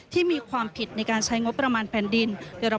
ที่มีความผิดในการใช้งบประมาณแผ่นดิน